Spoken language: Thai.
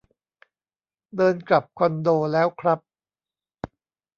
เดินกลับคอนโดแล้วครับ